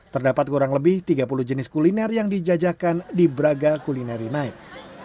terdapat kurang lebih tiga puluh jenis kuliner yang dijajakan di braga culinary night